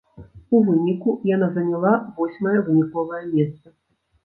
У выніку яна заняла восьмае выніковае месца.